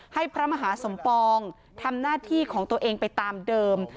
พระมหาสมปองทำหน้าที่ของตัวเองไปตามเดิม